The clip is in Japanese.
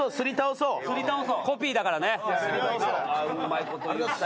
うまいこと言った。